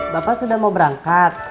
bapak sudah mau berangkat